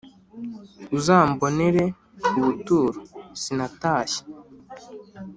Uzambonere ubuturo, sinatashye